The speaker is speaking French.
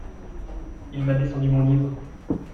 Il m’a descendu mon livre.